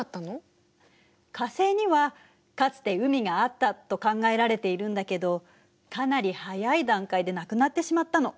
火星にはかつて海があったと考えられているんだけどかなり早い段階でなくなってしまったの。